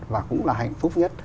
và cũng là hạnh phúc nhất